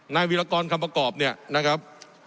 วิรากรคำประกอบเนี่ยนะครับ